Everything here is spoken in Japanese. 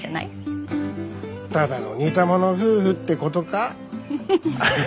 ただの似た者夫婦ってことか。